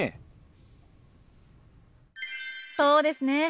そうですね。